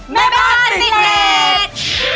แม่บ้านติดเรศ